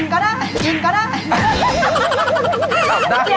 กินก็ได้